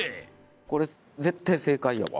これ絶対正解やわ。